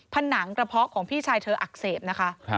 ผนังกระเพาะของพี่ชายเธออักเสบนะคะ